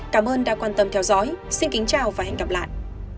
cảm ơn đã quan tâm theo dõi xin kính chào và hẹn gặp lại